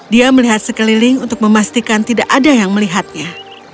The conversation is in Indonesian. dia melihat sekeliling untuk memastikan tidak ada yang melihatnya